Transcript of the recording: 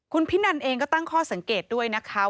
คุณพินันเองก็ตั้งข้อสังเกตด้วยนะคะ